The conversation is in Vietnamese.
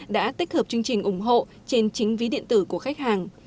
đã tích hợp chương trình ủng hộ trên chính ví điện tử của khách hàng